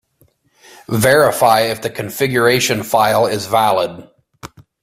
Verify if the configuration file is valid.